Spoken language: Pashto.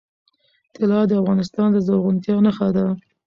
طلا د افغانستان د زرغونتیا نښه ده.